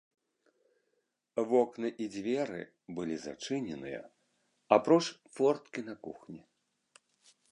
Вокны і дзверы былі зачыненыя, апроч форткі на кухні.